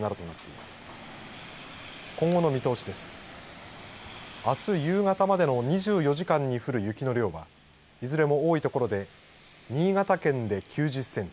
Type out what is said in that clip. あす夕方までの２４時間に降る雪の量はいずれも多い所で新潟県で９０センチ